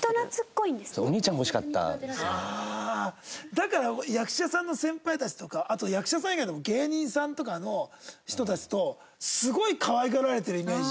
だから役者さんの先輩たちとかあと役者さん以外でも芸人さんとかの人たちとすごい可愛がられてるイメージあるもんね。